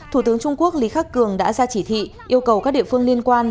thủ tướng trung quốc lý khắc cường đã ra chỉ thị yêu cầu các địa phương liên quan